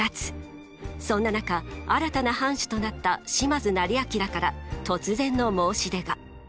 そんな中新たな藩主となった島津斉彬から突然の申し出が。